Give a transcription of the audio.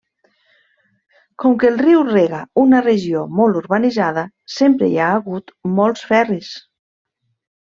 Com que el riu rega una regió molt urbanitzada, sempre hi ha hagut molts ferris.